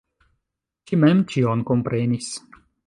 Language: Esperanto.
Ŝi mem ĉion komprenis.